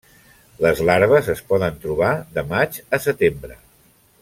Les larves es poden trobar de maig a setembre.